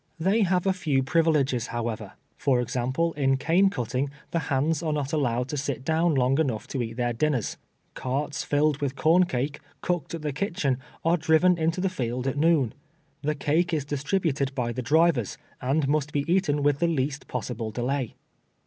They have a few privileges, however ; for example, in cane cutting the hands are not allow ed to sit down long enough to eat their dinners. Carts filled with corn cake, cooked at the kitchen, are driv en into the field at noon. The cake is distributed by the drivers, and must be eaten with the least possible delay.